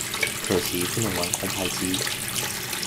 可惜不能玩空拍機